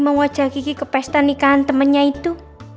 mewajah kiki ke pesta nikahan temennya itu